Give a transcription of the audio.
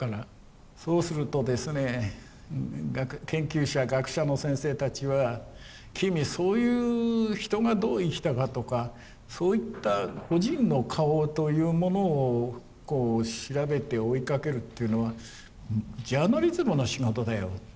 そうするとですね研究者学者の先生たちは君そういう人がどう生きたかとかそういった個人の顔というものをこう調べて追いかけるっていうのはジャーナリズムの仕事だよ。